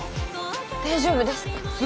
大丈夫です。